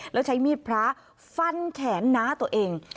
แล้วใช้มีดพระฟันแขนน้าตัวเอง